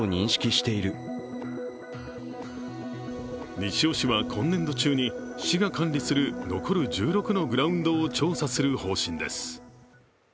西尾市は今年度中に、市が管理する残る１６のグラウンドを調査する方針です。